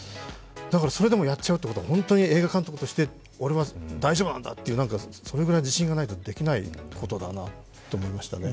だからそれでもやっちゃうってことは本当に映画監督として俺は大丈夫なんだという、それぐらい自信がないとできないと思いましたね。